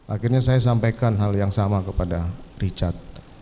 akhirnya saya sampaikan hal yang sama kepada richard